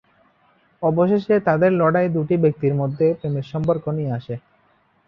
অবশেষে তাদের লড়াই দুটি ব্যক্তির মধ্যে প্রেমের সম্পর্ক নিয়ে আসে।